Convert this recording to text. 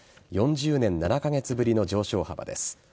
４０年７カ月ぶりの上昇幅です。